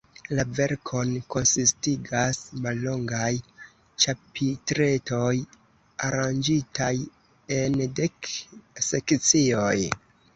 La verkon konsistigas mallongaj ĉapitretoj, aranĝitaj en dek sekcioj.